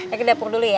ayo ke dapur dulu ya